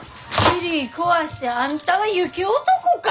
ツリー壊してあんたは雪男か！